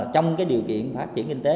trong cái điều kiện phát triển kinh tế